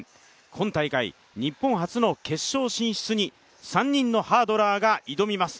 今大会日本初の決勝進出に３人のハードラーが挑みます。